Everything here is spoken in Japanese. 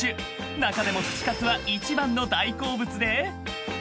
［中でも串カツは一番の大好物で］